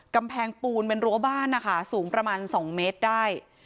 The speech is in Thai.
กำแพงปูนเป็นรั้วบ้านนะคะสูงประมาณ๒เมตรได้